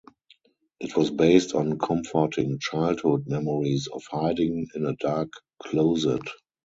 It was based on comforting childhood memories of hiding in a dark closet.